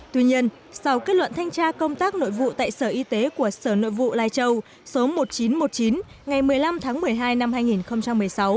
tuy nhiên sau kết luận thanh tra công tác nội vụ tại sở y tế của sở nội vụ lai châu số một nghìn chín trăm một mươi chín ngày một mươi năm tháng một mươi hai năm hai nghìn một mươi sáu